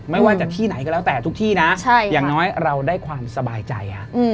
ไม่ว่าจะที่ไหนก็แล้วแต่ทุกที่นะอย่างน้อยเราได้ความสบายใจ